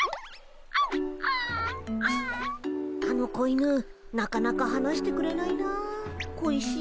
あの子犬なかなかはなしてくれないな小石。